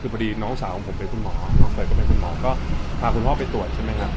คือพอดีน้องสาวของผมเป็นคุณหมอก็พาคุณพ่อไปตรวจใช่ไหมครับ